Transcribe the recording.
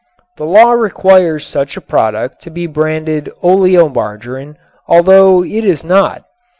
The law requires such a product to be branded "oleomargarine" although it is not.